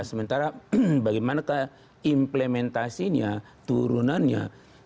sementara bagaimana implementasinya turunannya